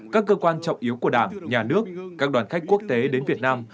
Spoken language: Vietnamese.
các cơ quan trọng yếu của đảng nhà nước các đoàn khách quốc tế đến việt nam